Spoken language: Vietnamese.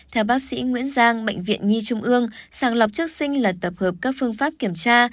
theo bác sĩ nguyễn giang bệnh viện nhi trung ương sàng lọc trước sinh là tập hợp các phương pháp kiểm tra